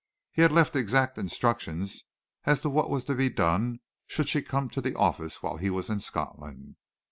He had left exact instructions as to what was to be done should she come to the office while he was in Scotland.